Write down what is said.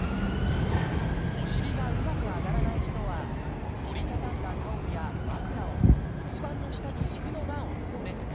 お尻がうまく上がらない人は折り畳んだタオルや枕を骨盤の下に敷くのがおすすめ。